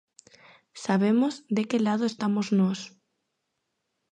Sabemos de que lado estamos nós.